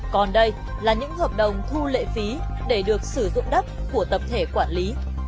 còn đây là những hợp đồng thu lệ phí để được sử dụng đất của tập thể quản lý